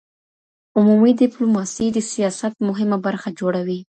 عمومي ډيپلوماسي د سياست مهمه برخه جوړوي.